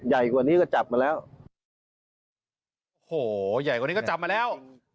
ใหญ่กว่านี้ก็จับมาแล้วโอ้โหใหญ่กว่านี้ก็จับมาแล้ว